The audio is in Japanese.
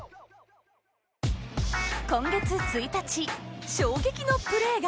今月１日衝撃のプレーが。